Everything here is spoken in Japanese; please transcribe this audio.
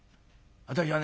私はね